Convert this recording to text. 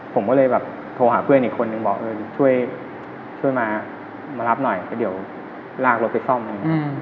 ผมก็เลยโทรหาเพื่อนอีกคนนึงบอกช่วยมามารับหน่อยเดี๋ยวลากรถไปซ่อมให้